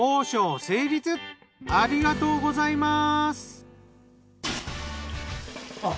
ありがとうございます。